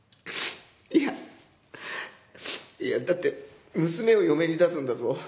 いやいやだって娘を嫁に出すんだぞ？